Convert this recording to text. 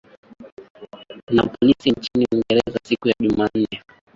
na polisi nchini uingereza siku ya jumanne